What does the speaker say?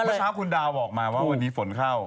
เมื่อเช้าคุณดาวบอกมาว่าวันนี้ฝนเข้า